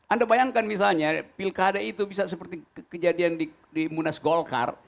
anda bayangkan misalnya pilkada itu bisa seperti kejadian di munas golkar